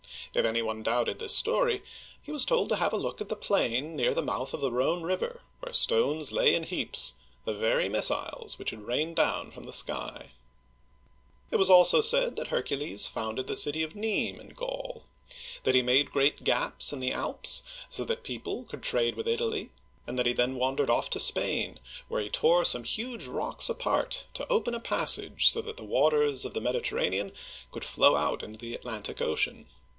If any one doubted this story, he was told to look at the plain near the mouth of the Rhone River, where stones lay in heaps — the very missiles which had rained down from the sky ! It was also said that Hercules founded the city of Nimes (neem) in Gaul; that he made great gaps in the Alps, so that the people could trade with Italy ; and that he then wandered off to Spain, where he tore some huge rocks apart, to open a passage so that the waters of the Mediterranean could flow out into the Atlantic Ocean.